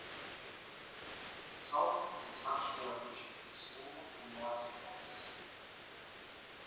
The result is a much more efficient, smaller, and lighter device.